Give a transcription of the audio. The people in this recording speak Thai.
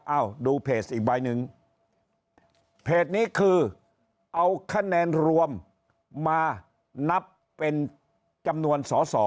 ดูเพจอีกใบหนึ่งเพจนี้คือเอาคะแนนรวมมานับเป็นจำนวนสอสอ